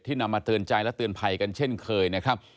นำมาเตือนใจและเตือนภัยกันเช่นเคยนะครับ